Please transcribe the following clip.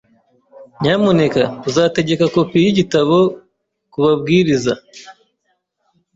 Nyamuneka uzategeka kopi yigitabo kubabwiriza?